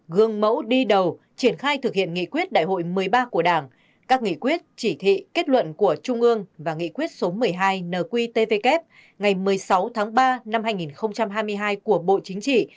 gương mẫu đi đầu triển khai thực hiện nghị quyết đại hội một mươi ba của đảng các nghị quyết chỉ thị kết luận của trung ương và nghị quyết số một mươi hai nqtvk ngày một mươi sáu tháng ba năm hai nghìn hai mươi hai của bộ chính trị